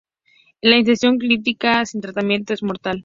La infección clínica sin tratamiento es mortal.